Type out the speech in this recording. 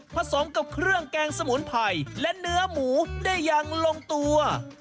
ผสมกับเครื่องแกงสมุนไพรและเนื้อหมูได้อย่างลงตัว